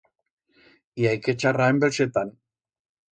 I hai que charrar en belsetán.